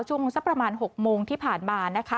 ช่วงสักประมาณ๖โมงที่ผ่านมานะคะ